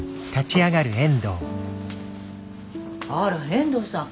あら遠藤さん